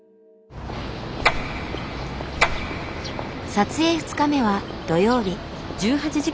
撮影２日目は土曜日。